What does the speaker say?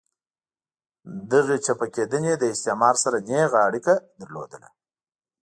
دغې چپه کېدنې له استعمار سره نېغه اړیکه لرله.